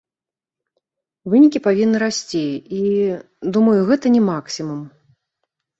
Вынікі павінны расці, і, думаю, гэта не максімум.